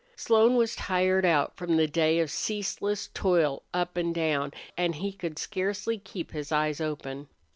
Slone was tired out from the day of ceaseless toil down and up, and he could scarcely keep his eyes open.